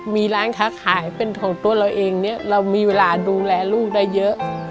มีร้านค้าขายเป็นของตัวเราเองเนี่ยเรามีเวลาดูแลลูกได้เยอะ